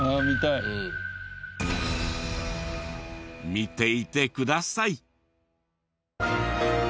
見ていてください。